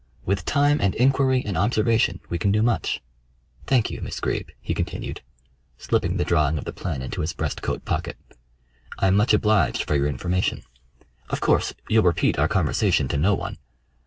"With time and inquiry and observation we can do much. Thank you, Miss Greeb," he continued, slipping the drawing of the plan into his breast coat pocket. "I am much obliged for your information. Of course you'll repeat our conversation to no one?"